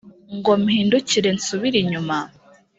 ngo mpindukire nsubire inyuma?